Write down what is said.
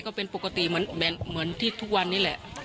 ก็เป็นปกติเหมือนที่ทุกวันนี้แหละ